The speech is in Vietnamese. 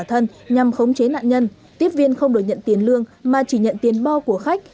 thân nhằm khống chế nạn nhân tiếp viên không được nhận tiền lương mà chỉ nhận tiền bo của khách